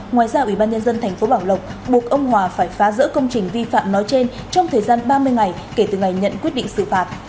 ngoài ra ubnd tp bảo lộc buộc ông hòa phải phá rỡ công trình vi phạm nói trên trong thời gian ba mươi ngày kể từ ngày nhận quyết định xử phạt